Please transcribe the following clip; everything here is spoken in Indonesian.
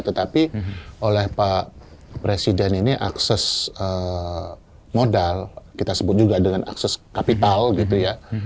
tetapi oleh pak presiden ini akses modal kita sebut juga dengan akses kapital gitu ya